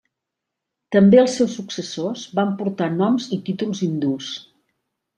També els seus successors van portar noms i títols hindús.